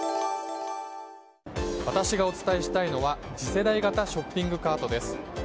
私がお伝えしたいのは次世代型ショッピングカートです。